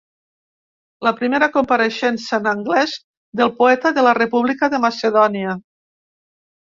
La primera compareixença en anglès del poeta de la República de Macedònia.